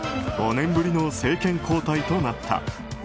５年ぶりの政権交代となった。